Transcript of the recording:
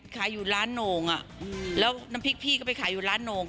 ขายอยู่ร้านโหน่งอ่ะแล้วน้ำพริกพี่ก็ไปขายอยู่ร้านโหน่ง